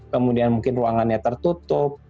kemudian mungkin ruangannya tertutup